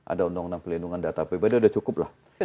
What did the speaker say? ada undang undang perlindungan data pribadi sudah cukup lah